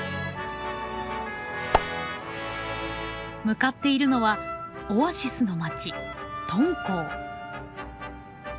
向かっているのはオアシスの街敦煌。